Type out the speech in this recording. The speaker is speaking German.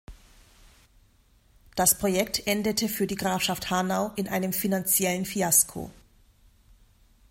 Das Projekt endete für die Grafschaft Hanau in einem finanziellen Fiasko.